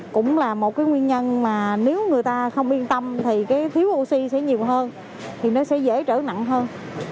cũng là một cái nguyên nhân mà nếu người ta không yên tâm thì cái thiếu oxy sẽ nhiều hơn thì nó sẽ dễ trở nặng hơn